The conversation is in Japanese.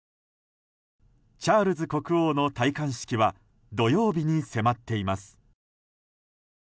チャールズ国王の戴冠式は土曜日に迫っています。